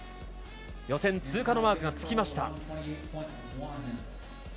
予選通過のマークがつきました。